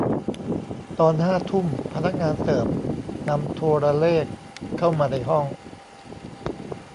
ตอนห้าทุ่มพนักงานเสิร์ฟนำโทรเลขเข้ามาในห้อง